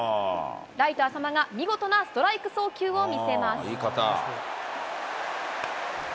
ライト、淺間が見事なストライス送球を見せます。